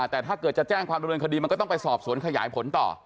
แต่ถ้าเกิดจะแจ้งความดำเนินคดีมันก็ต้องไปสอบสวนขยายผลต่อ